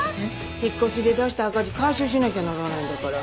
引っ越しで出した赤字回収しなきゃならないんだから。